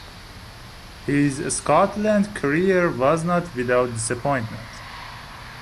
His Scotland career was not without disappointment.